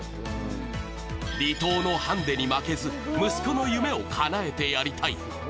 離島のハンデに負けず息子の夢をかなえてやりたい。